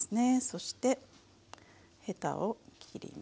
そしてヘタを切ります。